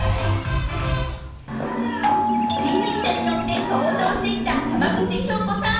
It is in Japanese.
人力車に乗って登場してきた浜口京子さん。